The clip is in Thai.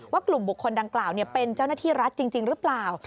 กลุ่มบุคคลดังกล่าวเป็นเจ้าหน้าที่รัฐจริงหรือเปล่า